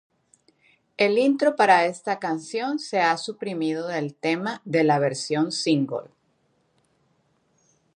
El intro para esta canción se ha suprimido del tema de la versión single.